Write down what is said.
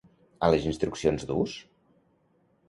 A les instruccions d'ús?